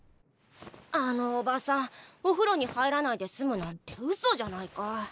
あのおばさんおふろに入らないで済むなんてうそじゃないか。